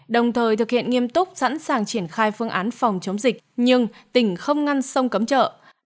đồng thời thực hiện nghiêm túc sẵn sàng triển khai phương án phòng chống dịch nhưng tỉnh không ngăn sông cấm chợ